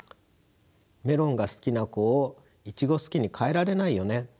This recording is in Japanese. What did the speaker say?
メロンが好きな子をイチゴ好きに変えられないよね。